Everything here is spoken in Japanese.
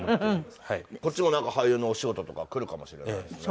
こっちもなんか俳優のお仕事とかくるかもしれないですね。